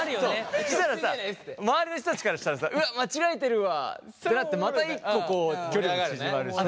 そしたらさ周りの人たちからしたらさ「うわっ間違えてるわ」ってなってまた１個距離が縮まるしさ。